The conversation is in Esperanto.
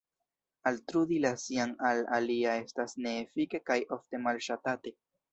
Altrudi la sian al alia estas ne-efike kaj ofte malŝatate.